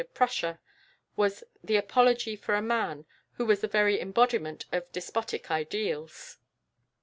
of Prussia" was the apology for a man who was the very embodiment of despotic ideals.